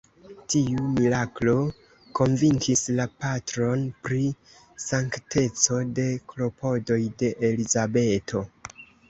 Tiu miraklo konvinkis la patron pri sankteco de klopodoj de Elizabeto.